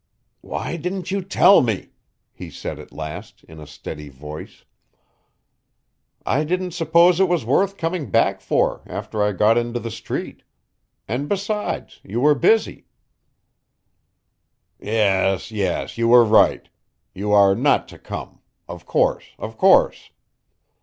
"Why didn't you tell me?" he said at last, in a steady voice. "I didn't suppose it was worth coming back for, after I got into the street. And, besides, you were busy." "Yes, yes, you were right: you are not to come of course, of course."